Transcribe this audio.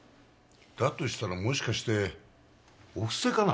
だとしたらもしかしてお布施かな？